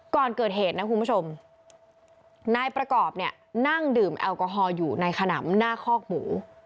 ก่อนเกิดเหตุนะคุณผู้ชมนายประกอบเนี่ยนั่งดื่มแอลกอฮอลอยู่ในขนำหน้าคอกหมู